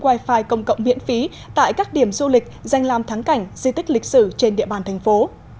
wi fi công cộng miễn phí tại các điểm du lịch danh làm thắng cảnh di tích lịch sử trên địa bàn thành phố